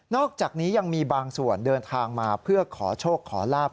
อกจากนี้ยังมีบางส่วนเดินทางมาเพื่อขอโชคขอลาบ